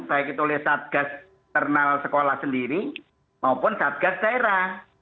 baik itu oleh satgas internal sekolah sendiri maupun satgas daerah